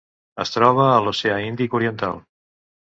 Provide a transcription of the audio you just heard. Es troba a l'Oceà Índic oriental: